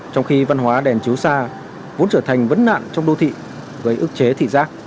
trong khi văn hóa đèn chiếu xa vốn trở thành vấn nạn trong đô thị gây ức chế thị giác